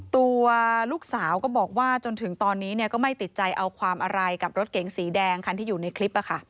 ตัวลูกสาวก็บอกว่าจนถึงตอนนี้ก็ไม่ติดใจเอาความอะไรกับรถเก๋งสีแดงคันที่อยู่ในคลิป